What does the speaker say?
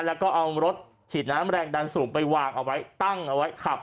แล้วก็เอารถฉีดน้ำแรงดันสูงไปวางเอาไว้ตั้งเอาไว้ขับ